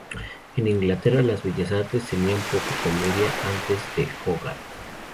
En Inglaterra las Bellas Artes tenían poca comedia antes de Hogarth.